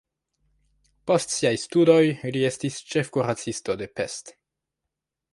Post siaj studoj li estis ĉefkuracisto de Pest.